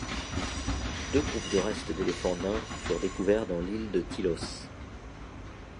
Deux groupes de restes d'éléphants nains furent découverts dans l'île de Tilos.